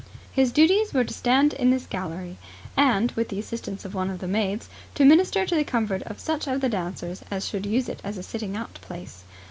His duties were to stand in this gallery, and with the assistance of one of the maids to minister to the comfort of such of the dancers as should use it as a sitting out place.